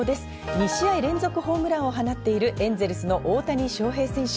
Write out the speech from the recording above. ２試合連続ホームランを放っているエンゼルスの大谷翔平選手。